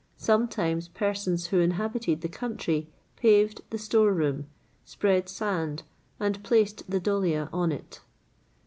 Sometimes persons who inhabited the country paved the store room, spread sand, and placed the dolia on it.